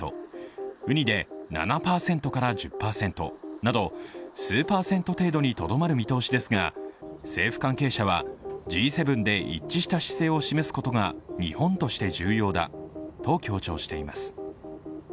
うにで７％から１０％など、数パーセント程度にとどまる見通しですが、政府関係者はＧ７で一致した姿勢を示すことが日本として重要だと強調しています。